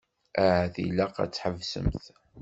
Ahat ilaq ad tḥebsemt.